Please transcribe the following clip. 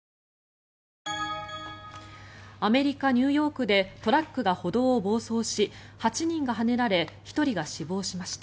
アメリカ・ニューヨークでトラックが歩道を暴走し８人がはねられ１人が死亡しました。